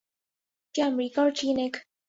کیا امریکہ اور چین ایک